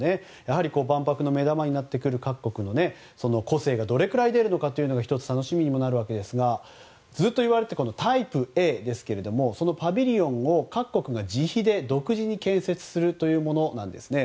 万博の目玉になってくるもので各国の個性がどれくらい出るか１つ、楽しみにもなるわけですがずっと言われていたタイプＡですがパビリオンを各国が自費で独自に建設するというものなんですね。